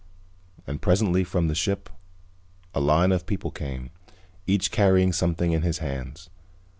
And presently, from the ship, a line of people came, each carrying something in his hands.